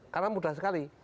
karena mudah sekali